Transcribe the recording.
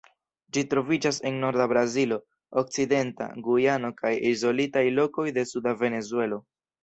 Ĝi troviĝas en norda Brazilo, okcidenta Gujano kaj izolitaj lokoj de suda Venezuelo.